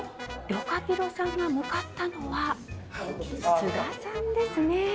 りょかぴろさんが向かったのは津田さんですね。